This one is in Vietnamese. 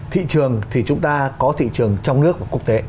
thị trường thì chúng ta có thị trường trong nước và quốc tế